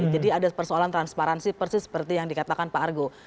jadi ada persoalan transparansi persis seperti yang dikatakan pak argo